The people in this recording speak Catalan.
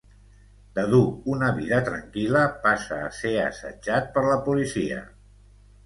De dur una vida tranquil·la passa a ser assetjat per la policia.